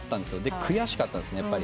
悔しかったんですねやっぱり。